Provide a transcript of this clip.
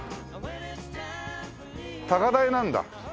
高台なんだ。